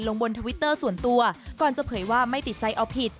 บนทวิตเตอร์ส่วนตัวก่อนจะเผยว่าไม่ติดใจเอาผิด